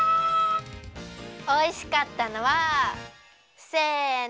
おいしかったのはせの！